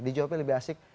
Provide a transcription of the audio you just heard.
di jawabannya lebih asik